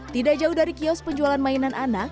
tidak jauh dari kios penjualan mainan anak